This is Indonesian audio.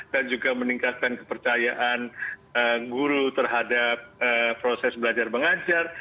dan juga meningkatkan kepercayaan guru terhadap proses belajar mengajar